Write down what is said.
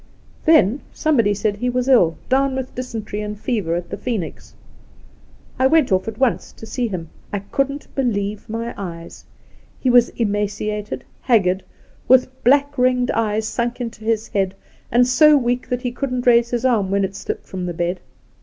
Then somebody said he was ill — down with dysen tery and fever at the Phoenix. I went oflf at once to see him. I couldn't believe my eyes. He was emaciated, haggard, with black ringed eyes sunk into his head, and so weak that he couldn't raise his arm when it slipped from the bed.